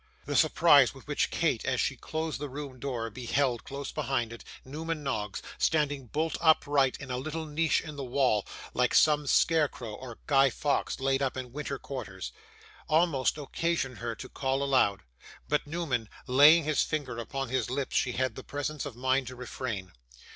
The surprise with which Kate, as she closed the room door, beheld, close beside it, Newman Noggs standing bolt upright in a little niche in the wall like some scarecrow or Guy Faux laid up in winter quarters, almost occasioned her to call aloud. But, Newman laying his finger upon his lips, she had the presence of mind to refrain.